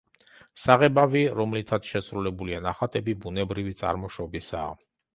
საღებავი, რომლითაც შესრულებულია ნახატები, ბუნებრივი წარმოშობისაა.